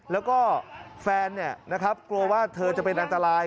แล้วก็แฟนกลัวว่าเธอจะเป็นอันตราย